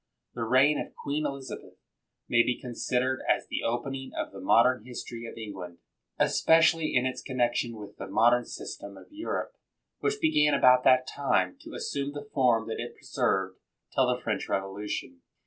The reign of Queen Elizabeth may be con sidered as the opening of the modern history of England, especially in its connection with the modern system of Europe, which began about that time to assume the form that it preserved till the French revolution.